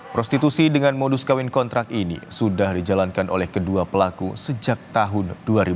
prostitusi dengan modus kawin kontrak ini sudah dijalankan oleh kedua pelaku sejak tahun dua ribu dua